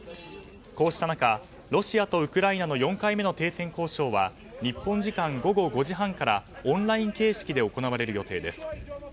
こうした中ロシアとウクライナの４回目の停戦交渉は日本時間午後５時半からオンライン形式で行われる予定です。